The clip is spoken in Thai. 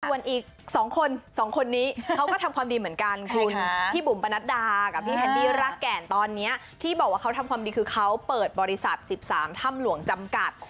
ส่วนอีก๒คน๒คนนี้เขาก็ทำความดีเหมือนกันคุณพี่บุ๋มปนัดดากับพี่แคนดี้รากแก่นตอนนี้ที่บอกว่าเขาทำความดีคือเขาเปิดบริษัท๑๓ถ้ำหลวงจำกัด